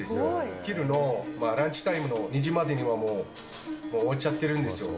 お昼のランチタイムの２時までにはもう、終わっちゃってるんです